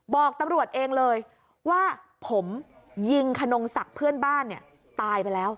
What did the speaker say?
บอกตำรวจเองเลยว่าผมยิงขนงศักดิ์เพื่อนบ้านเนี่ยตายไปแล้ว